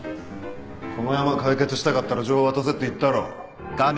このヤマ解決したかったら情報渡せって言ったろ。